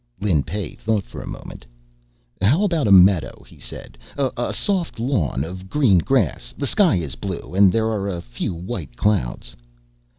Lin Pey thought for a moment. "How about a meadow?" he said. "A soft lawn of green grass, the sky is blue, and there are a few white clouds...."